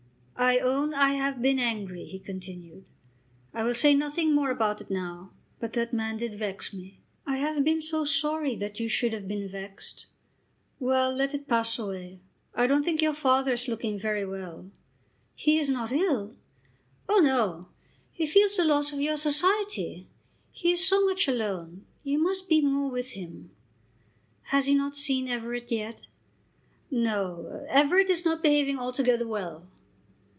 "I own I have been angry," he continued. "I will say nothing more about it now; but that man did vex me." "I have been so sorry that you should have been vexed." "Well; let it pass away. I don't think your father is looking very well." "He is not ill?" "Oh no. He feels the loss of your society. He is so much alone. You must be more with him." "Has he not seen Everett yet?" "No. Everett is not behaving altogether well."